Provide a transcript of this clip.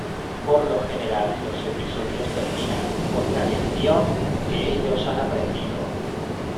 Por lo general los episodios terminan con una lección que ellos han aprendido.